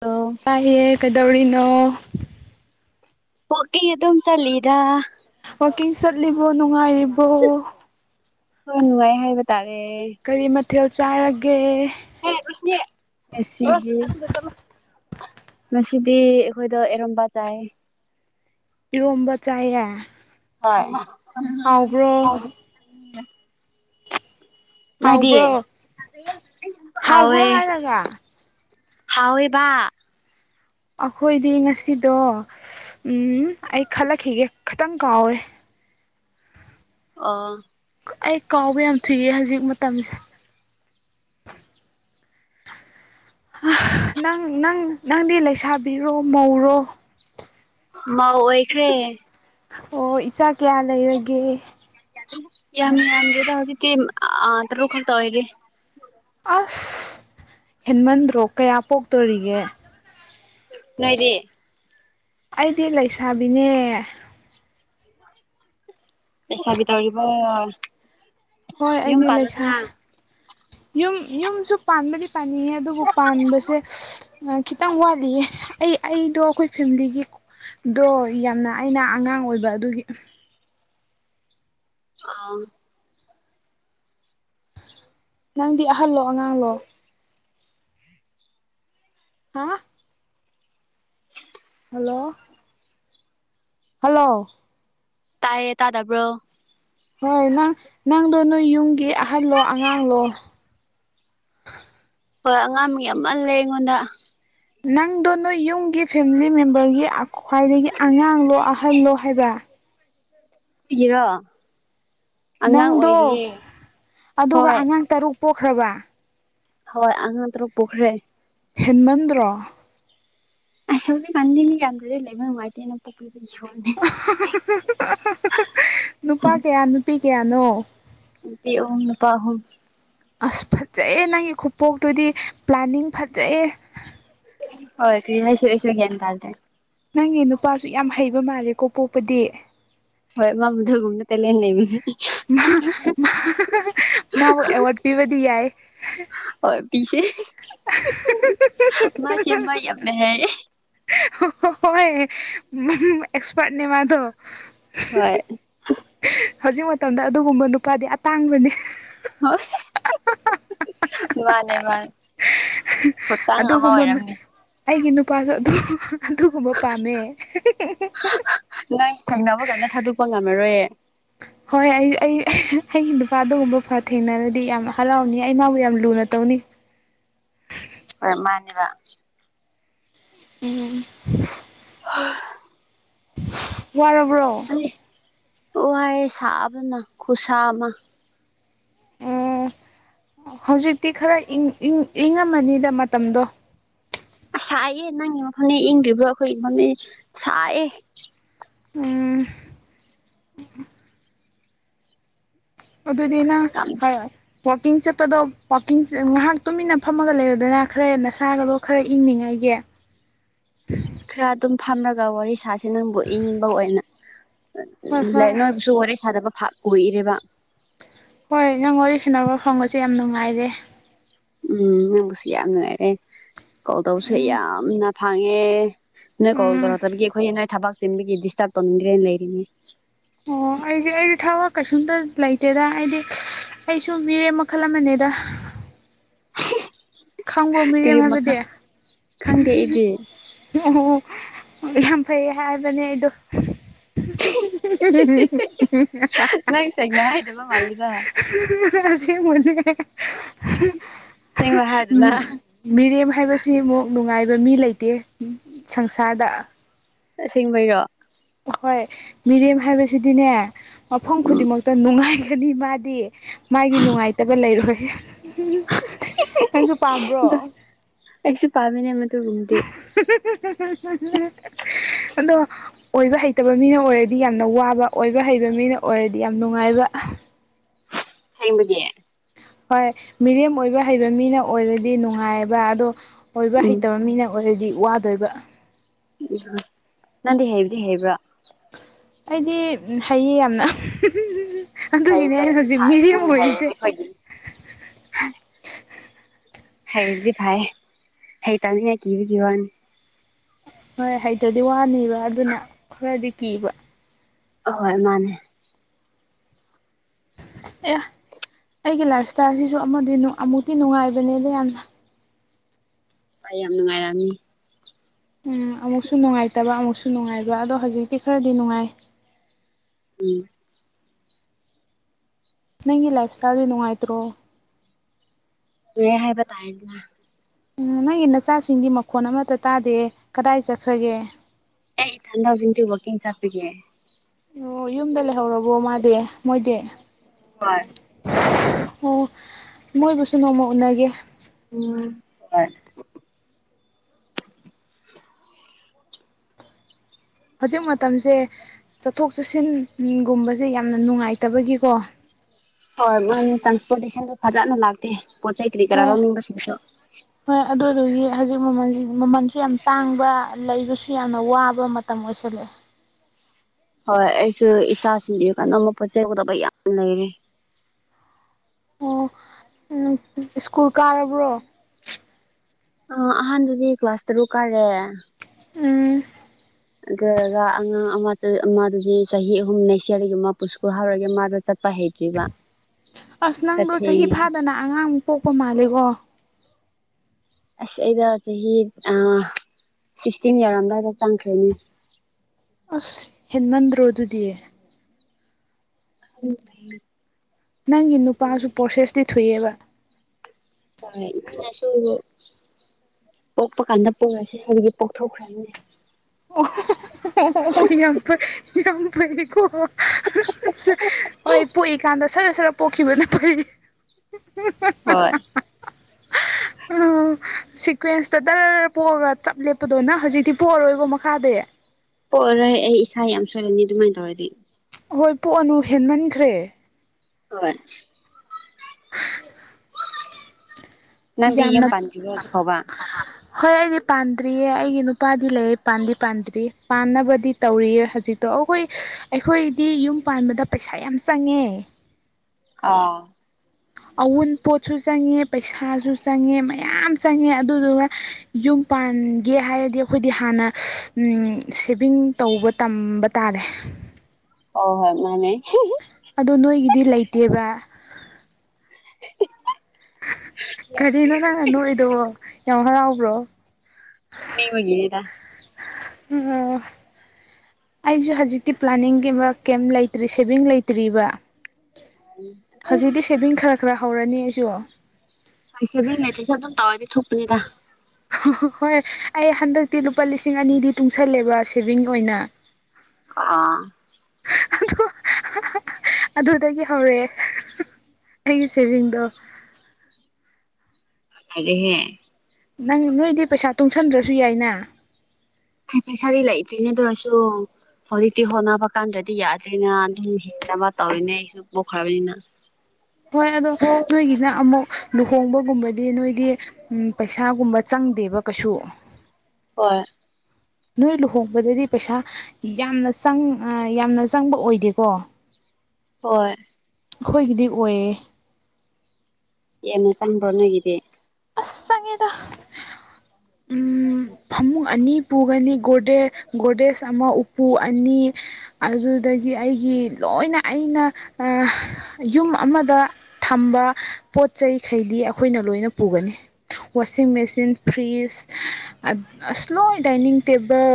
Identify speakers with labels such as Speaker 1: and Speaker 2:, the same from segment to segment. Speaker 1: ꯑꯣ
Speaker 2: ꯇꯥꯏꯌꯦ ꯀꯩꯗꯧꯔꯤꯅꯣ
Speaker 1: ꯋꯥꯛꯀꯤꯡ ꯑꯗꯨꯝ ꯆꯠꯂꯤꯗ
Speaker 2: ꯋꯥꯛꯀꯤꯡ ꯆꯠꯂꯤꯕꯣ ꯅꯨꯡꯉꯥꯏꯔꯤꯕꯣ
Speaker 1: ꯑꯗꯨꯝ ꯅꯨꯡꯉꯥꯏ ꯍꯥꯏꯕ ꯇꯥꯔꯦ
Speaker 2: ꯀꯔꯤ ꯃꯊꯦꯜ ꯆꯥꯔꯒꯦ
Speaker 1: [unintelligible] ꯉꯁꯤꯗꯤ ꯑꯩꯈꯣꯏꯗ ꯏꯔꯣꯝꯕ ꯆꯥꯏ
Speaker 2: ꯏꯔꯣꯝꯕ ꯆꯥꯏꯌꯦ
Speaker 1: ꯍꯣꯏ
Speaker 2: ꯍꯧꯕꯔꯣ
Speaker 1: ꯅꯣꯢꯗꯤ
Speaker 2: ꯍꯥꯎꯕ꯭ꯔꯣ ꯍꯥꯎꯕ꯭ꯔꯣ
Speaker 1: ꯍꯥꯎꯋꯦ
Speaker 2: ꯍꯥꯏꯔꯒ
Speaker 1: ꯍꯥꯎꯋꯦꯕ
Speaker 2: ꯑꯩꯈꯣꯏꯗꯤ ꯉꯁꯤꯗꯣ ꯑꯩ ꯈꯜꯂꯛꯈꯤꯒꯦ ꯈꯤꯇꯪ ꯀꯥꯎꯋꯦ
Speaker 1: ꯑꯣ
Speaker 2: ꯑꯩ ꯀꯥꯎꯕ ꯌꯥꯝ ꯊꯨꯏꯑꯦ ꯍꯧꯖꯤꯛ ꯃꯇꯝꯁꯦ ꯅꯪ ꯅꯪ ꯅꯪꯗꯤ ꯂꯩꯁꯥꯕꯤꯔꯣ ꯃꯧꯔꯣ
Speaker 1: ꯃꯧ ꯑꯣꯏꯈ꯭ꯔꯦ
Speaker 2: ꯑꯣ ꯏꯆꯥ ꯀꯌꯥ ꯂꯩꯔꯒꯦ
Speaker 1: ꯌꯥꯝ ꯌꯥꯝꯗꯦꯗ ꯍꯧꯖꯤꯛꯇꯤ ꯇꯔꯨꯛ ꯈꯛꯗ ꯑꯣꯏꯔꯦ
Speaker 2: ꯑꯁ ꯍꯦꯟꯃꯟꯗ꯭ꯔꯣ ꯀꯌꯥ ꯄꯣꯛꯇꯣꯔꯤꯒꯦ
Speaker 1: ꯅꯣꯏꯗꯤ
Speaker 2: ꯑꯩꯗꯤ ꯂꯩꯁꯥꯕꯤꯅꯦ
Speaker 1: ꯂꯩꯁꯥꯒꯤ ꯇꯧꯔꯤꯕꯣ
Speaker 2: ꯍꯣꯏ
Speaker 1: ꯌꯨꯝ
Speaker 2: ꯑꯩꯗꯤ ꯂꯩꯁ
Speaker 1: ꯄꯥꯜꯂꯗꯅ
Speaker 2: ꯌꯨꯝ ꯌꯨꯝꯁꯨ ꯄꯥꯟꯕꯗꯤ ꯄꯥꯅꯤꯡꯉ ꯑꯗꯨꯕꯨ ꯄꯥꯟꯕꯁꯦ ꯈꯤꯇꯪ ꯋꯥꯠꯂꯤꯌꯦ ꯑꯩ ꯑꯩꯗꯣ ꯑꯩꯈꯣꯏ ꯐꯦꯃꯤꯂꯤꯒꯤꯗꯣ ꯌꯥꯝꯅ ꯑꯩꯅ ꯑꯉꯥꯡ ꯑꯣꯏꯕ ꯑꯗꯨꯒꯤ
Speaker 1: ꯑꯥ
Speaker 2: ꯅꯪꯗꯤ ꯑꯍꯜꯂꯣ ꯑꯉꯥꯡꯂꯣ ꯍꯥ ꯍꯜꯂꯣ ꯍꯜꯂꯣ
Speaker 1: ꯇꯥꯏꯌꯦ ꯇꯥꯗꯕ꯭ꯔꯣ
Speaker 2: ꯍꯣꯏ ꯅꯪ ꯅꯪꯗꯣ ꯅꯣꯏ ꯌꯨꯝꯒꯤ ꯑꯍꯜꯂꯣ ꯑꯉꯥꯡꯂꯣ
Speaker 1: ꯍꯣꯏ ꯑꯉꯥꯡ ꯌꯥꯝꯃꯜꯂꯦ ꯑꯩꯉꯣꯟꯗ
Speaker 2: ꯅꯪꯗꯣ ꯅꯣꯏ ꯌꯨꯝꯒꯤ ꯐꯦꯃꯤꯂꯤ ꯃꯦꯝꯕꯔꯒꯤ ꯈ꯭ꯋꯥꯏꯗꯒꯤ ꯑꯉꯥꯡꯂꯣ ꯑꯍꯜꯂꯣ ꯍꯥꯏꯕ
Speaker 1: ꯈ‌ꯣꯏꯒꯤꯔꯣ
Speaker 2: ꯅꯪꯗꯣ ꯑꯗꯨꯒ
Speaker 1: ꯍꯣꯏ
Speaker 2: ꯑꯉꯥꯡ ꯇꯔꯨꯛ ꯄꯣꯛꯈ꯭ꯔꯕ
Speaker 1: ꯍꯣꯏ ꯑꯉꯥꯡ ꯇꯔꯨꯛ ꯄ‌ꯣꯛꯈ꯭ꯔꯦ
Speaker 2: ꯍꯦꯟꯃꯟꯗ꯭ꯔꯣ
Speaker 1: ꯑꯁꯁ ꯍꯧꯀꯥꯟꯗꯤ ꯃꯤ ꯌꯥꯝꯗꯔꯗꯤ ꯂꯩꯕ ꯅꯨꯡꯉꯥꯏꯇ‌ꯦꯅ ꯄꯣꯛꯄꯤꯕꯩ‌ ꯋꯥꯅꯤ
Speaker 2: ꯅꯨꯄꯥ ꯀꯌꯥ ꯅꯨꯄꯤ ꯀꯌꯥꯅꯣ
Speaker 1: ꯅꯨꯄꯤ ꯑꯍꯨꯝ ꯅꯨꯄꯥ ꯑꯍꯨꯝ
Speaker 2: ꯑꯁ ꯐꯖꯩꯌ‌ꯦ ꯅꯪꯒꯤ ꯈꯨꯄꯣꯛꯇꯨꯗꯤ ꯄ꯭ꯂꯥꯅꯤꯡ ꯐꯖꯩꯌ‌ꯦ
Speaker 1: ꯍꯣꯏ ꯀꯔꯤ ꯍꯥꯏꯁꯤꯔ ꯑꯩꯁꯨ ꯒꯌꯥꯟ ꯇꯥꯗꯦ
Speaker 2: ꯅꯪꯒꯤ ꯅꯨꯄꯥꯁꯨ ꯌꯥꯝ ꯍꯩꯕ ꯃꯥꯜꯂꯦꯀꯣ ꯄꯣꯛꯄꯗꯤ
Speaker 1: ꯍꯣꯏ ꯃꯥ ꯑꯗꯨꯒꯨꯝꯕꯗ ꯇ‌ꯦꯂ‌ꯦꯟ ꯂꯩꯕꯅꯤ
Speaker 2: ꯏꯃꯥ ꯏꯃꯥ ꯃꯥꯕꯨ ꯑꯦꯋꯥꯔꯗ ꯄꯤꯕꯗꯤ ꯌꯥꯏ
Speaker 1: ꯍ‌ꯣꯏ ꯄꯤꯁꯦ ꯃꯥ ꯁꯦꯝꯕ ꯌꯥꯝꯅ ꯍꯩꯌꯦ
Speaker 2: ꯍꯣꯏ ꯑꯦꯛꯁꯄꯔꯠꯅꯦ ꯃꯗꯣ
Speaker 1: ꯍꯣꯏ
Speaker 2: ꯍꯧꯖꯤꯛ ꯃꯇꯝꯗ ꯑꯗꯨꯒꯨꯝꯕ ꯅꯨꯄꯥꯗꯤ ꯑꯇꯥꯡꯕꯅꯤ
Speaker 1: ꯍ‌ꯣꯏ ꯃꯥꯅꯦ ꯃꯥꯅꯦ
Speaker 2: [unintelligible]
Speaker 1: ꯈꯨꯇꯥꯡ ꯑꯃ
Speaker 2: ꯑꯗꯨꯒꯨꯝꯕ
Speaker 1: ꯑꯣꯏꯔꯝꯅꯤ
Speaker 2: ꯑꯩꯒꯤ ꯅꯨꯄꯥꯁꯨ ꯑꯗꯨꯒꯨꯝꯕ ꯄꯥꯝꯃꯦ
Speaker 1: ꯅꯪ ꯊꯦꯡꯅꯕ ꯀꯥꯟꯗ ꯊꯥꯗꯣꯛꯄ ꯉꯝꯃꯔꯣꯏꯌꯦ
Speaker 2: ꯍꯣꯏ ꯑꯩ ꯑꯩ ꯑꯩꯒꯤ ꯅꯨꯄꯥ ꯑꯗꯨꯒꯨꯝꯕ ꯊꯦꯡꯅꯔꯗꯤ ꯌꯥꯝ ꯍꯔꯥꯎꯅꯤ ꯑꯩ ꯃꯥꯕꯨ ꯌꯥꯝ ꯂꯨꯅ ꯇꯧꯅꯤ
Speaker 1: ꯍ‌ꯣꯏ ꯃꯥꯅꯦꯕ
Speaker 2: ꯎꯝ
Speaker 1: [unintelligible]
Speaker 2: ꯋꯥꯔꯕ꯭ꯔꯣ
Speaker 1: ꯋꯥꯔꯦ ꯁꯥꯕꯅ ꯈꯨꯁꯥ ꯑꯃ
Speaker 2: ꯑꯣ ꯍꯧꯖꯤꯛꯇꯤ ꯈꯔ ꯏꯪ ꯏꯪ ꯏꯪꯉꯝꯃꯅꯤꯗ ꯃꯇꯝꯗꯣ
Speaker 1: ꯑꯁ ꯁꯥꯏꯌꯦ ꯅꯪꯒꯤ ꯃꯐꯝꯗꯤ ꯏꯪꯗ꯭ꯔꯤꯕ꯭ꯔꯣ ꯑꯩꯈꯣꯏꯒꯤ ꯃꯐꯝꯅꯤ ꯁꯥꯏꯌꯦ
Speaker 2: ꯎꯝ ꯑꯗꯨꯗꯤꯅ ꯅꯪ ꯋꯥꯛꯀꯤꯡ ꯆꯠꯄꯗꯣ ꯋꯥꯋꯥꯛꯀꯤꯡ ꯉꯥꯍꯥꯛ ꯇꯨꯃꯤꯟꯅ ꯐꯝꯃꯒ ꯂꯩꯑꯣꯗꯅ ꯈꯔ ꯅꯁꯥꯒꯗꯣ ꯈꯔ ꯏꯪꯅꯤꯡꯉꯥꯏꯒꯤ
Speaker 1: ꯈꯔ ꯑꯗꯨꯝ ꯐꯝꯃꯒ ꯋꯥꯔꯤ ꯁꯥꯥꯁꯦ ꯅꯪꯕꯨ ꯏꯪꯕ ꯑꯣꯏꯅ
Speaker 2: ꯍꯣꯏ ꯍꯣꯏ
Speaker 1: ꯅꯣꯏꯕꯨꯁꯨ ꯋꯥꯔꯤ ꯁꯥꯗꯕ ꯐ ꯀꯨꯏꯔꯦꯕ
Speaker 2: ꯍꯣꯏ ꯅꯪ ꯋꯥꯔꯤ ꯁꯥꯟꯅꯕ ꯐꯪꯕꯁꯦ ꯌꯥꯝ ꯅꯨꯡꯉꯥꯏꯔꯦ
Speaker 1: ꯎꯝ ꯅꯪꯕꯨꯁꯨ ꯌꯥꯝ ꯅꯨꯡꯉꯥꯏꯔꯦ ꯀ‌ꯣꯜ ꯇꯧꯕꯁꯨ
Speaker 2: ꯎꯝ
Speaker 1: ꯌꯥꯝꯅ ꯐꯪꯉꯦ ꯅꯣꯏ ꯀ‌ꯣꯜ‌
Speaker 2: ꯎꯝ
Speaker 1: ꯇꯧꯔꯛꯇꯕꯒꯤ ꯑꯩꯈꯣꯏꯗꯤ ꯅꯣꯏ ꯊꯕꯛ ꯆꯤꯟꯕꯒꯤ ꯗꯤꯁꯇꯔꯕ ꯇꯧꯅꯤꯡꯗ꯭ꯔꯦꯅ ꯂꯩꯔꯤꯅ‌ꯦ
Speaker 2: ꯑꯣ ꯑꯩꯗꯤ ꯑꯩꯗꯤ ꯊꯕꯛ ꯀꯩꯁꯨꯝꯇ ꯂꯩꯇꯦꯗ ꯑꯩꯗꯤ ꯑꯩꯁꯨ ꯃꯤꯔꯦꯝ ꯃꯈꯜ ꯑꯃꯅꯦꯗ ꯈꯪꯕ꯭ꯔꯣ ꯃꯤꯔꯦꯝ
Speaker 1: ꯀꯔꯤ ꯃꯈꯥ
Speaker 2: ꯍꯥꯏꯕꯗꯤ
Speaker 1: ꯈꯪꯗꯦ ꯑꯩꯗꯤ
Speaker 2: ꯑꯣ ꯌꯥꯝ ꯐꯩꯌꯦ ꯍꯥꯏꯕꯅꯦ ꯑꯩꯗꯣ
Speaker 1: ꯅꯪ ꯁꯦꯡꯅ ꯍꯥꯏꯗꯕ ꯃꯥꯜꯂꯤꯗ
Speaker 2: [unintelligible] ꯑꯁ‌ꯦꯡꯕꯅ‌ꯦ
Speaker 1: ꯑꯁꯦꯡꯕ ꯍꯥꯏꯕꯗꯨꯅ
Speaker 2: ꯃꯤꯔꯦꯝ ꯍꯥꯏꯕꯁꯤ ꯑꯃꯨꯛ ꯅꯨꯡꯉꯥꯏꯕ ꯃꯤ ꯂꯩꯇꯦ ꯁꯪꯁꯥꯔꯗ
Speaker 1: ꯑꯁꯦꯡꯕꯩꯔꯣ
Speaker 2: ꯍꯣꯏ ꯃꯤꯔꯦꯝ ꯍꯥꯏꯕꯁꯤꯗꯤꯅꯦ ꯃꯐꯝ
Speaker 1: ꯎꯝ
Speaker 2: ꯈꯨꯗꯤꯡꯃꯛꯇ ꯅꯨꯡꯉꯥꯏꯒꯅꯤ ꯃꯥꯗꯤ ꯃꯥꯒꯤ ꯅꯨꯡꯉꯥꯏꯇꯕ ꯂꯩꯔꯣꯏ ꯅꯪꯁꯨ ꯄꯥꯝꯕ꯭ꯔꯣ
Speaker 1: ꯑꯩꯁꯨ ꯄꯥꯝꯃꯤꯅꯦ ꯑꯗꯨꯕꯨꯗꯦ
Speaker 2: [unintelligible] ꯑꯗꯣ ꯑꯣꯏꯕ ꯍꯩꯇꯕ ꯃꯤꯅ ꯑꯣꯏꯔꯗꯤ ꯌꯥꯝꯅ ꯋꯥꯕ ꯑꯣꯏꯕ ꯍꯩꯕ ꯃꯤꯅ ꯑꯣꯏꯔꯗꯤ ꯌꯥꯝ ꯅꯨꯡꯉꯥꯏꯕ
Speaker 1: ꯁꯪꯕꯗꯤ
Speaker 2: ꯍꯣꯏ ꯃꯤꯔꯦꯝ ꯑꯣꯏꯕ ꯍꯩꯕ ꯃꯤꯅ ꯑꯣꯏꯔꯗꯤ ꯅꯨꯡꯉꯥꯏꯑꯕ ꯑꯗꯣ ꯑꯣꯏꯕ
Speaker 1: ꯎꯝ
Speaker 2: ꯍꯩꯇꯕ ꯃꯤꯅ ꯑꯣꯏꯔꯗꯤ ꯋꯥꯗꯣꯏꯕ
Speaker 1: ꯅꯪꯗꯤ ꯍꯩꯕꯗꯤ ꯍꯕ꯭ꯔꯥ
Speaker 2: ꯑꯩꯗꯤ ꯍꯩꯌꯦ ꯌꯥꯝꯅ ꯑꯗꯨꯒꯤꯅꯦ ꯑꯩꯅ
Speaker 1: ꯍꯩꯕꯗꯤ
Speaker 2: ꯍꯧꯖꯤꯛ ꯃꯤꯔꯦꯝ
Speaker 1: ꯅꯪ
Speaker 2: ꯑꯣꯏꯔꯤꯁꯦ
Speaker 1: ꯍꯩꯔꯗꯤ [unintelligible] ꯍꯩꯔꯗꯤ ꯐꯏ ꯍꯩ ꯇꯅꯤꯅꯦ ꯀꯤꯗꯤ ꯀꯤꯕꯩ ꯋꯥꯅꯤ
Speaker 2: ꯍꯣꯏ ꯍꯩꯇ꯭ꯔꯗꯤ ꯋꯥꯅꯤꯕ ꯑꯗꯨꯅ ꯈꯔꯗꯤ ꯀꯤꯕ
Speaker 1: ꯑꯍꯣꯏ ꯃꯥꯅꯦ
Speaker 2: ꯑꯦ ꯑꯩꯒꯤ ꯂꯥꯏꯞ ꯏꯁꯇꯥꯏꯜꯁꯤꯁꯨ ꯑꯃꯗꯤ ꯑꯃꯨꯛꯇꯤ ꯅꯨꯡꯉꯥꯏꯕꯅꯦꯅ ꯌꯥꯝꯅ
Speaker 1: ꯑꯩ ꯌꯥꯝ ꯅꯨꯡꯉꯥꯏꯔꯝꯃꯤ
Speaker 2: ꯎꯝ ꯑꯃꯨꯛꯁꯨ ꯅꯨꯡꯉꯥꯏꯇꯕ ꯑꯃꯨꯛꯁꯨ ꯅꯨꯡꯉꯥꯏꯕ ꯑꯗꯣ ꯍꯧꯖꯤꯛꯇꯤ ꯈꯔꯗꯤ ꯅꯨꯡꯉꯥꯏ
Speaker 1: ꯎꯝ
Speaker 2: ꯅꯪꯒꯤ ꯂꯥꯏꯞꯁ꯭ꯇꯥꯏꯜꯗꯤ ꯅꯨꯡꯉꯥꯏꯇ꯭ꯔꯣ
Speaker 1: ꯂꯨꯏꯌꯦ ꯍꯥꯏꯕ ꯇꯥꯏꯗꯅ
Speaker 2: ꯎ ꯅꯪꯒꯤ ꯅꯆꯥꯁꯤꯡꯒꯤ ꯃꯈꯣꯟ ꯑꯃꯠꯇ ꯇꯥꯗꯦ ꯀꯗꯥꯏ ꯆꯠꯈ꯭ꯔꯒꯦ
Speaker 1: ꯑꯉꯥꯡ ꯁꯤꯡꯁꯨ ꯋꯀꯤꯡ ꯆꯠꯈꯤꯑꯦ
Speaker 2: ꯑꯣ ꯌꯨꯝꯗ ꯂꯩꯍꯧꯔꯕꯣ ꯃꯥꯗꯤ ꯃꯣꯏꯗꯤ [unintelligible]
Speaker 1: ꯍꯣꯏ
Speaker 2: ꯑꯣ ꯃꯣꯏꯕꯨꯁꯨ ꯅꯣꯡꯃ ꯎꯅꯒꯦ
Speaker 1: ꯎꯝ
Speaker 2: ꯍꯧꯖꯤꯛ ꯃꯇꯝꯁꯦ ꯆꯠꯊꯣꯛ ꯆꯠꯁꯤꯟ ꯒꯨꯝꯕꯁꯦ ꯌꯥꯝꯅ ꯅꯨꯡꯉꯥꯏꯇꯕꯒꯤꯀꯣ
Speaker 1: ꯍꯣꯏ ꯃꯣꯏꯝ ꯇ꯭ꯔꯥꯟꯁꯄꯣꯔꯇꯦꯁꯟꯗꯨ ꯐꯖꯅ ꯂꯥꯛꯇꯦ ꯄꯣꯠ ꯆꯩ ꯀꯔꯤ ꯀꯔꯥ
Speaker 2: ꯍꯣꯏ
Speaker 1: ꯂꯧꯅꯤꯡꯕꯁꯤꯡꯁꯨ
Speaker 2: ꯍꯣꯏ ꯑꯗꯨꯗꯨꯒꯤ ꯍꯧꯖꯤꯛ ꯃꯃꯜ ꯃꯃꯟꯁꯨ ꯌꯥꯝ ꯇꯥꯡꯕ ꯂꯩꯕꯁꯨ ꯌꯥꯝꯅ ꯋꯥꯕ ꯃꯇꯝ ꯑꯣꯏꯁꯜꯂꯛꯑꯦ
Speaker 1: ꯍꯣꯏ ꯑꯩꯁꯨ ꯏꯆꯥꯁꯤꯡꯁꯤ ꯀꯥꯟꯅꯝꯕ ꯄꯣꯠ ꯆꯩꯒꯗꯕ ꯌꯥꯝ ꯂꯩꯔꯦ
Speaker 2: ꯑꯣ ꯎꯝ ꯁ꯭ꯀꯨꯜ ꯀꯥꯔꯕ꯭ꯔꯣ
Speaker 1: ꯑ ꯑꯍꯥꯟꯕꯗꯤ ꯀ꯭ꯂꯥꯁ ꯇꯔꯨꯛ ꯀꯥꯔꯦ
Speaker 2: ꯎꯝ
Speaker 1: ꯑꯗꯨꯑꯣꯏꯔꯒ ꯑꯉꯥꯡ ꯑꯃꯗꯨ ꯑꯃꯗꯨꯗꯤ ꯆꯍꯤ ꯑꯍꯨꯝ ꯅꯦꯛꯁ ꯌꯤꯔꯗꯒꯤ ꯃꯥꯕꯨ ꯁ꯭ꯀꯨꯜ ꯍꯧꯔꯒꯦ ꯃꯥꯗꯨ ꯆꯠꯄ ꯍꯩ
Speaker 2: ꯑꯁ ꯅꯪꯗꯣ ꯆꯍꯤ ꯐꯥꯗꯅ ꯑꯉꯥꯡꯛ ꯄꯣꯛꯄ ꯃꯥꯜꯂꯦꯒꯣ
Speaker 1: ꯑꯁ ꯑꯩꯗꯣ ꯆꯍꯤ ꯑ ꯁꯤꯛꯁꯇꯤꯟ ꯌꯧꯔꯝꯕꯗ ꯆꯪꯈ꯭ꯔꯅꯤ
Speaker 2: ꯑꯁ ꯍꯦꯟꯃꯟꯗ꯭ꯔꯣ ꯑꯗꯨꯗꯤ
Speaker 1: [unintelligible]
Speaker 2: ꯅꯪꯒꯤ ꯅꯨꯄꯥꯁꯨ ꯄ꯭ꯔꯣꯁꯦꯁꯇꯤ ꯊꯨꯏꯑꯦꯕ
Speaker 1: ꯍꯣꯏ ꯃꯣꯏꯅꯁꯨ ꯄꯣꯛꯄ ꯀꯥꯟꯗ ꯄꯣꯔꯁꯦ ꯍꯥꯏꯕꯒꯤ ꯄꯣꯛꯊꯣꯛꯈ꯭ꯔꯕꯅꯦ
Speaker 2: ꯑꯣ ꯑꯣ ꯌꯥꯝ ꯌꯥꯝ ꯐꯩ ꯌꯥꯝ ꯐꯩꯀꯣ ꯍꯣꯏ ꯄꯣꯛꯏꯀꯥꯟꯗ ꯁꯔꯠ ꯁꯔꯠ ꯄꯣꯛꯈꯤꯕꯅ ꯐꯩ
Speaker 1: ꯍꯣꯏ
Speaker 2: [unintelligible] ꯑ ꯁꯤꯀ꯭ꯋꯦꯟꯁꯇ ꯇꯔꯔ ꯄꯣꯛꯑꯒ ꯆꯞ ꯂꯦꯞꯄꯗꯣ ꯅꯪ ꯍꯧꯖꯤꯛꯇꯤ ꯄꯣꯛꯑꯔꯣꯏꯀꯣ ꯃꯈꯥꯗꯤ
Speaker 1: ꯄꯣꯛꯑꯔꯣꯏ ꯑꯩ ꯏꯁꯥ ꯌꯥꯝ ꯁꯣꯏꯒꯅꯤ ꯑꯗꯨꯃꯥꯏ ꯇꯧꯔꯗꯤ
Speaker 2: ꯍꯣꯏ ꯄꯣꯛꯑꯅꯨ ꯍꯦꯟꯃꯟꯈ꯭ꯔꯦ
Speaker 1: ꯍꯣꯏ
Speaker 2: [unintelligible]
Speaker 1: ꯅꯪꯗꯤ ꯌꯨꯝ
Speaker 2: ꯌꯥꯝꯅ
Speaker 1: ꯄꯥꯟꯗ꯭ꯔꯤꯕ꯭ꯔꯣ ꯍꯧꯖꯤꯛ ꯐꯥꯎꯕ
Speaker 2: [unintelligible] ꯍꯣꯏ ꯑꯩꯗꯤ ꯄꯥꯟꯗ꯭ꯔꯤꯌꯦ ꯑꯩꯒꯤ ꯅꯨꯄꯥꯗꯤ ꯂꯩ ꯄꯥꯟꯗꯤ ꯄꯥꯟꯗ꯭ꯔꯤ ꯄꯥꯟꯅꯕꯗꯤ ꯇꯧꯔꯤꯌꯦ ꯍꯧꯖꯤꯛꯇꯣ ꯑꯩꯈꯣꯏ ꯑꯩꯈꯣꯏꯗꯤ ꯌꯨꯝ ꯄꯥꯟꯕꯗ ꯄꯩꯁꯥ ꯌꯥꯝ ꯆꯪꯉꯦ
Speaker 1: ꯑꯥ
Speaker 2: ꯑꯎꯟꯄꯣꯠꯁꯨ ꯆꯪꯉꯦ ꯄꯩꯁꯥꯁꯨ ꯆꯪꯉꯦ ꯃꯌꯥꯝ ꯆꯪꯉꯦ ꯑꯗꯨꯗꯨꯒ ꯌꯨꯝ ꯄꯥꯟꯒꯦ ꯍꯥꯏꯔꯗꯤ ꯑꯩꯈꯣꯏꯗꯤ ꯍꯥꯟꯅ ꯎꯝ ꯁꯦꯚꯤꯡ ꯇꯧꯕ ꯇꯝꯕ ꯇꯥꯔꯦ
Speaker 1: ꯑꯣ ꯍꯣꯏ ꯃꯥꯟꯅꯦ
Speaker 2: ꯑꯗꯣ ꯅꯣꯏꯒꯤꯗꯤ ꯂꯩꯇꯦꯕꯥ ꯀꯔꯤꯅꯣ ꯅꯪꯅ‌ ꯅꯣꯛꯏꯗꯣ ꯌꯥꯝ ꯍꯔꯥꯎꯕ꯭ꯔꯣ
Speaker 1: ꯃꯤꯑꯃꯒꯤꯅꯤꯗꯥ
Speaker 2: ꯎꯝ ꯍꯣ ꯑꯣ ꯑꯩꯖꯨ ꯍꯧꯖꯤꯛꯇꯤ ꯄ꯭ꯂꯥꯅꯤꯡꯒꯤꯕ ꯀꯩꯝ ꯂꯩꯇ꯭ꯔꯤ ꯁꯦꯚꯤꯡ ꯂꯩꯇ꯭ꯔꯤꯕ
Speaker 1: ꯎꯝ
Speaker 2: ꯍꯧꯖꯤꯛꯇꯤ ꯁꯦꯚꯤꯡ ꯈꯔ ꯈꯔ ꯍꯧꯔꯅꯤ ꯑꯩꯁꯨ
Speaker 1: ꯍꯣꯏ ꯁꯦꯕꯤꯡ ꯂꯩꯇꯔꯁꯨ ꯑꯗꯨꯝ ꯇꯧꯔꯗꯤ ꯊꯨꯞꯄꯅꯤꯗ
Speaker 2: ꯍꯣꯏ ꯑꯩ ꯍꯟꯗꯛꯇꯤ ꯂꯨꯄꯥ ꯂꯤꯁꯤꯡ ꯑꯅꯤꯗꯤ ꯇꯨꯡꯁꯜꯂꯦꯕ ꯁꯦꯚꯤꯡ ꯑꯣꯏꯅ [inaudible]
Speaker 1: ꯑꯥ
Speaker 2: ꯍꯗꯣ ꯑꯗꯨꯗꯒꯤ ꯍꯧꯔꯛꯑꯦ ꯑꯩꯒꯤ ꯁꯦꯚꯤꯡꯗꯣ
Speaker 1: ꯍꯩꯔꯦ ꯍꯦ
Speaker 2: ꯅꯪ ꯅꯣꯏꯗꯤ ꯄꯩꯁꯥ ꯇꯨꯡꯁꯟꯗ꯭ꯔꯁꯨ ꯌꯥꯏꯅ
Speaker 1: ꯍꯦ ꯄꯩꯁꯥꯗꯤ ꯂꯩꯇ꯭ꯔꯤꯅꯦ ꯑꯗꯨ ꯑꯣꯏꯔꯁꯨ ꯍꯧꯖꯤꯛꯇꯤ ꯍꯣꯠꯅꯕ ꯀꯥꯟꯗꯔꯗꯤ ꯌꯥꯗꯦꯅ ꯑꯗꯨꯝ ꯍꯤꯡꯅꯕ ꯇꯧꯔꯤꯅꯦ ꯕꯣꯈꯥꯔꯤꯅ
Speaker 2: ꯍꯣꯏ ꯑꯗꯣ ꯅꯣꯏꯒꯤꯗꯨꯅꯥ ꯑꯃꯨꯛ ꯂꯨꯍꯣꯡꯕꯒꯨꯝꯕꯗꯤ ꯅꯣꯏꯗꯤ ꯄꯩꯁꯥꯒꯨꯝꯕ ꯆꯪꯗꯦꯕ ꯀꯩꯁꯨ
Speaker 1: ꯍꯣꯏ
Speaker 2: ꯅꯣꯏ ꯂꯨꯍꯣꯡꯕꯗꯗꯤ ꯄꯩꯁꯥ ꯌꯥꯝꯅ ꯆꯪ ꯑꯥ ꯌꯥꯝꯅ ꯆꯪꯕ ꯑꯣꯏꯗꯦꯀꯣ [inaudible]
Speaker 1: ꯍꯣꯏ
Speaker 2: ꯑꯩꯈꯣꯏꯒꯤꯗꯤ ꯑꯣꯏꯌꯦ
Speaker 1: ꯌꯦꯟꯅ ꯆꯪꯕ꯭ꯔꯣ ꯅꯣꯏꯒꯤꯗꯤ
Speaker 2: ꯑꯁ ꯆꯪꯒꯤꯦꯗ ꯎꯝ ꯐꯃꯨꯡ ꯑꯅꯤ ꯄꯨꯒꯅꯤ ꯒꯣꯔꯗꯦ ꯒꯣꯔꯗꯦꯖ ꯑꯃ ꯎꯄꯨ ꯑꯅꯤ ꯑꯗꯨꯗꯒꯤ ꯑꯩꯒꯤ ꯂꯣꯏꯅ ꯑꯩꯅ ꯌꯨꯝ ꯑꯃꯗ ꯊꯝꯕ ꯄꯣꯠ ꯆꯩꯈꯩꯗꯤ ꯑꯩꯈꯣꯏꯅ ꯂꯣꯏꯅ ꯄꯨꯒꯅꯤ ꯋꯥꯁꯤꯡ ꯃꯦꯆꯤꯟ ꯐ꯭ꯔꯤꯖ ꯑꯁ ꯂꯣꯏ ꯗꯥꯏꯅꯤꯡ ꯇꯦꯕꯜ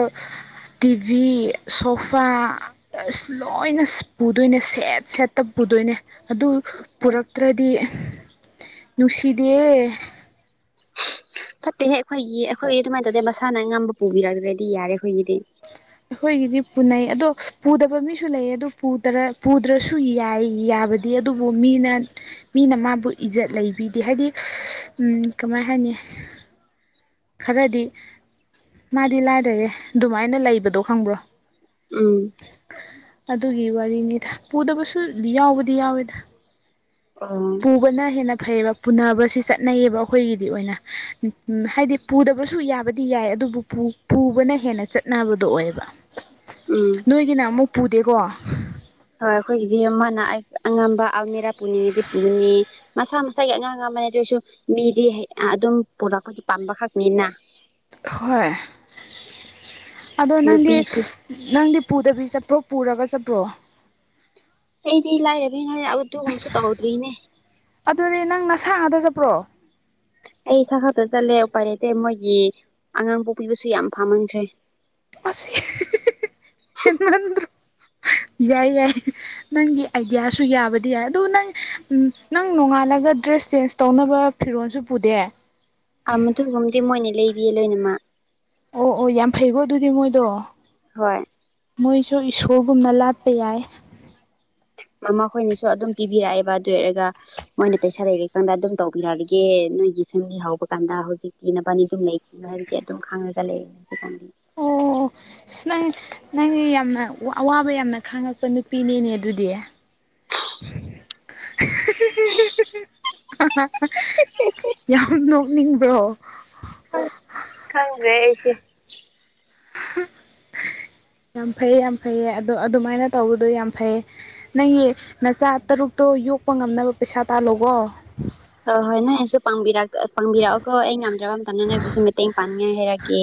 Speaker 2: ꯇꯤꯚꯤ ꯁꯣꯐꯥ ꯑꯁ ꯂꯣꯏꯅ ꯄꯨꯗꯣꯏꯅꯦ ꯁꯦꯠ ꯁꯦꯠꯇ ꯄꯨꯗꯣꯏꯅꯦ ꯑꯗꯨ ꯄꯨꯔꯛꯇ꯭ꯔꯗꯤ ꯅꯨꯡꯁꯤꯗꯦ
Speaker 1: ꯐꯠꯇꯦꯍꯦ ꯑꯩꯈꯣꯏꯒꯤ ꯑꯩꯈꯣꯏ ꯑꯗꯨꯃꯥꯏꯅ ꯇꯧꯗꯦ ꯃꯁꯥꯅ ꯑꯉꯝꯕ ꯄꯨꯕꯤꯔꯛꯇ꯭ꯔꯗꯤ ꯌꯥꯔꯦ ꯑꯩꯈꯣꯏꯒꯤꯗꯤ
Speaker 2: ꯑꯩꯈꯣꯏꯒꯤꯗꯤ ꯄꯨꯅꯩ ꯑꯗꯣ ꯄꯨꯗꯕ ꯃꯤꯁꯨ ꯂꯩꯌꯦ ꯑꯗꯣ ꯄꯨꯗ꯭ꯔ ꯄꯨꯗ꯭ꯔꯁꯨ ꯌꯥꯏ ꯌꯥꯕ ꯗꯤ ꯑꯗꯨꯕꯨ ꯃꯤꯅ ꯃꯤꯅ ꯃꯥꯕꯨ ꯏꯖꯠ ꯂꯩꯕꯤꯗꯦ ꯍꯥꯏꯗꯤ ꯎꯝ ꯀꯃꯥꯏ ꯍꯥꯏꯅꯤ ꯈꯔꯗꯤ ꯃꯥꯗꯤ ꯂꯥꯏꯔꯔꯦ ꯑꯗꯨꯃꯥꯏꯅ ꯂꯩꯕꯗꯣ ꯈꯪꯕ꯭ꯔꯣ
Speaker 1: ꯎꯝ
Speaker 2: ꯑꯗꯨꯒꯤ ꯋꯥꯔꯤꯅꯤꯗ ꯄꯨꯗꯕꯁꯨ ꯌꯥꯎꯕꯗꯤ ꯌꯥꯎꯋꯤꯗ
Speaker 1: ꯑꯝ
Speaker 2: ꯄꯨꯕꯅ ꯍꯦꯟꯅ ꯐꯩꯌꯦꯕ ꯄꯨꯅꯕꯁꯤ ꯆꯠꯅꯩꯌꯦꯕ ꯑꯩꯈꯣꯏꯒꯤꯗꯤ ꯑꯣꯏꯅ ꯍꯥꯏꯗꯤ ꯄꯨꯗꯕꯁꯨ ꯌꯥꯕꯗꯤ ꯌꯥꯏ ꯑꯗꯨꯕꯨ ꯄꯨ ꯄꯨꯕꯅ ꯍꯦꯟꯅ ꯆꯠꯅꯕꯗꯣ ꯑꯣꯏꯕ
Speaker 1: ꯎꯝ
Speaker 2: ꯅꯣꯏꯒꯤꯅ ꯑꯃꯨꯛ ꯄꯨꯗꯦꯀꯣ
Speaker 1: ꯍꯣꯏ ꯑꯩꯈꯣꯏꯒꯤꯗꯤ ꯃꯥꯅ ꯑꯉꯝꯕ ꯑꯜꯃꯤꯔꯥ ꯄꯨꯅꯤꯡꯗꯤ ꯄꯨꯅꯤ ꯃꯁꯥ ꯃꯁꯥꯒꯤ ꯑꯉꯝ ꯑꯉꯝꯕꯅꯦ ꯑꯗꯨ ꯑꯣꯏꯁꯨ ꯃꯤꯗꯤ ꯑꯥ ꯑꯗꯨꯝ ꯄꯨꯔꯛꯄꯗꯤ ꯄꯥꯝꯕꯈꯛꯅꯤꯅ
Speaker 2: ꯍꯣꯏ ꯑꯗꯣ ꯅꯪꯗꯤ
Speaker 1: ꯅꯨꯄꯤꯁꯨ
Speaker 2: ꯅꯪꯗꯤ ꯄꯨꯗꯕꯤ ꯆꯠꯄ꯭ꯔꯣ ꯄꯨꯔꯒ ꯆꯠꯄ꯭ꯔꯣ
Speaker 1: ꯑꯩꯗꯤ ꯂꯥꯏꯔꯕꯤꯅꯦ ꯑꯗꯨꯒꯕꯁꯨ ꯇꯧꯗ꯭ꯔꯤꯅꯦ
Speaker 2: ꯑꯗꯨꯗꯤ ꯅꯪ ꯅꯁꯥ ꯉꯥꯛꯇꯥ ꯆꯠꯄ꯭ꯔꯣ
Speaker 1: ꯑꯩ ꯏꯁꯥ ꯈꯛꯇ ꯆꯠꯂꯦ ꯎꯄꯥꯏ ꯂꯩꯇꯦ ꯃꯣꯏꯒꯤ ꯑꯉꯥꯡ ꯄꯣꯛꯄꯤꯕꯨꯁꯨ ꯌꯥꯝ ꯐꯥꯃꯟꯈ꯭ꯔꯦ
Speaker 2: ꯑꯁ ꯍꯦꯃꯟꯗ꯭ꯔꯣ ꯌꯥꯏ ꯌꯥꯏ ꯅꯪꯒꯤ ꯑꯥꯏꯗꯤꯌꯥꯁꯨ ꯌꯥꯕꯗꯤ ꯌꯥꯏ ꯑꯗꯨ ꯅꯪ ꯅꯪ ꯅꯣꯡꯉꯥꯜꯂꯒ ꯗ꯭ꯔꯦꯁ ꯆꯦꯟꯖ ꯇꯧꯅꯕ ꯐꯤꯔꯣꯟꯜꯁꯨ ꯄꯨꯗꯦ
Speaker 1: ꯑꯥ ꯃꯗꯨꯒꯨꯝꯕꯗꯤ ꯃꯣꯏꯅ ꯂꯩꯕꯤꯌꯦ ꯂꯣꯏꯅꯃꯛ
Speaker 2: ꯑꯣ ꯑꯣ ꯌꯥꯝ ꯐꯩꯀꯣ ꯑꯗꯨꯗꯤ ꯃꯣꯏꯗꯣ
Speaker 1: ꯍꯣꯏ
Speaker 2: ꯃꯣꯏꯁꯨ ꯏꯁꯣꯔꯒꯨꯝꯅ ꯂꯥꯠꯄ ꯌꯥꯏ
Speaker 1: ꯃꯃꯥ ꯈꯣꯏꯅꯁꯨ ꯑꯗꯨꯝ ꯄꯤꯕꯤꯔꯛꯑꯦꯕ ꯑꯗꯨ ꯑꯣꯏꯔꯒ ꯃꯣꯏꯅ ꯄꯩꯁꯥ ꯂꯩꯔꯤ ꯀꯥꯟꯗ ꯑꯗꯨꯝ ꯇꯧꯕꯤꯔꯛꯑꯒꯦ ꯅꯣꯏꯒꯤ ꯐꯦꯃꯤꯂꯤ ꯍꯧꯕ ꯀꯥꯟꯗ ꯍꯧꯖꯤꯛꯇꯤ ꯅꯕꯅꯤ ꯑꯗꯨꯝ ꯂꯩꯈꯤ ꯈꯣ ꯍꯥꯢꯕꯒꯤ ꯑꯗꯨꯝ ꯈꯉꯥꯒ ꯂꯩ ꯍꯧꯖꯤꯛꯀꯥꯟꯗꯤ
Speaker 2: ꯑꯣ ꯑꯁ ꯅꯪ ꯅꯪꯗꯤ ꯌꯥꯝꯅ ꯋꯥ ꯑꯋꯥꯕ ꯌꯥꯝꯅ ꯈꯥꯡꯉꯛꯄ ꯅꯨꯄꯤꯅꯤꯅꯦ ꯑꯗꯨꯗꯤ [unintelligible]
Speaker 1: [inaudible]
Speaker 2: ꯌꯥꯝ ꯅꯣꯛꯅꯤꯡꯕ꯭ꯔꯣ
Speaker 1: ꯈꯪꯗꯔꯦ ꯑꯩꯁꯦ
Speaker 2: [inaudible] ꯌꯥꯝ ꯐꯩ ꯌꯥꯝ ꯐꯩꯌꯦ ꯑꯗꯣ ꯑꯗꯨꯃꯥꯏꯅ ꯇꯧꯕꯗꯣ ꯌꯥꯝ ꯐꯩ ꯅꯪꯒꯤ ꯅꯆꯥ ꯇꯔꯨꯛꯇꯣ ꯌꯣꯛꯄ ꯉꯝꯅꯕ ꯄꯩꯁꯥ ꯇꯥꯜꯂꯣꯕꯣ
Speaker 1: ꯍꯣꯏ ꯍꯣꯏ ꯅꯣꯏꯅꯁꯨ ꯄꯥꯡꯕꯤꯔꯛ ꯄꯥꯡꯕꯤꯔꯛꯑꯣꯀꯣ ꯑꯩ ꯉꯝꯗ꯭ꯔꯕ ꯃꯇꯝꯗ ꯅꯣꯏꯕꯨꯁꯨ ꯃꯇꯦꯡ ꯄꯥꯡꯅꯤꯡꯉꯥꯏ ꯍꯥꯏꯔꯛꯀꯦ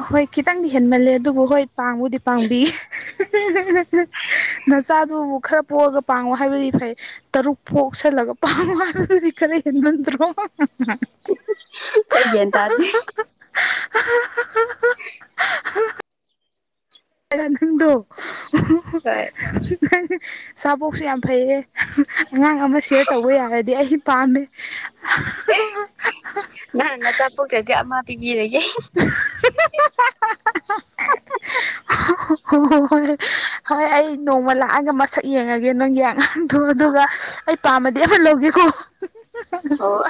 Speaker 2: ꯑꯍꯣꯏ ꯈꯤꯇꯪꯗꯤ ꯍꯦꯟꯃꯜꯂꯦ ꯑꯗꯨꯕꯨ ꯍꯣꯏ ꯄꯥꯡꯕꯨꯗꯤ ꯄꯥꯡꯕꯤ ꯅꯆꯥꯗꯨꯕꯨ ꯈꯔ ꯄꯣꯛꯑꯒ ꯄꯥꯡꯉꯣ ꯍꯥꯏꯕꯗꯤ ꯐꯩ ꯇꯔꯨꯛ ꯄꯣꯛꯁꯜꯂꯒ ꯄꯥꯉꯣ ꯍꯥꯏꯕꯗꯨꯗꯤ ꯈꯔ ꯍꯦꯟꯃꯟꯗ꯭ꯔꯣ
Speaker 1: ꯑꯩ ꯒꯌ꯭ꯥꯟ ꯇꯥꯗꯦ
Speaker 2: [inaudible] ꯅꯪꯗꯣ
Speaker 1: ꯍꯣꯏ
Speaker 2: ꯅꯪ ꯆꯥꯕꯣꯛꯁꯨ ꯌꯥꯝ ꯐꯩꯍꯦ ꯑꯉꯥꯡ ꯑꯃ ꯁꯤꯌꯔ ꯇꯧꯕ ꯌꯥꯔꯗꯤ ꯑꯩ ꯄꯥꯝꯃꯦ
Speaker 1: ꯅꯪ ꯅꯆꯥꯄꯣꯛꯇ꯭ꯔꯗꯤ ꯑꯃ ꯄꯤꯕꯤꯔꯒꯦ
Speaker 2: [inaudible] ꯍꯣꯏ ꯍꯣꯏ ꯍꯣꯏ ꯍꯣꯏ ꯑꯩ ꯅꯣꯡꯃ ꯂꯥꯛꯑꯒ ꯃꯁꯛ ꯌꯦꯡꯉꯒꯦ ꯅꯪꯒꯤ ꯑꯥꯉꯥꯡꯗꯣ ꯑꯗꯨꯒ ꯄꯥꯝꯃꯗꯤ ꯑꯃ ꯂꯧꯒꯦꯀꯣ
Speaker 1: ꯑꯣ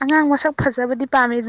Speaker 2: ꯑꯉꯥꯡ ꯃꯁꯛ ꯐꯖꯕꯗꯤ ꯄꯥꯝꯃꯦ